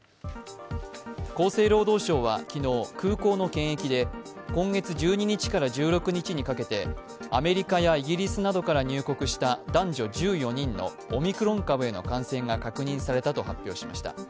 厚生労働省は昨日、空港の検疫で今月１２日から１６日にかけてアメリカやイギリスなどから入国した男女１４人のオミクロン株への感染が確認されたと発表しました。